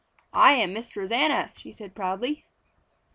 "I am Miss Rosanna," she said proudly.